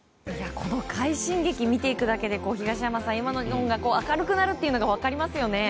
この快進撃を見ていくだけで東山さん、今の日本が明るくなるのが分かりますよね。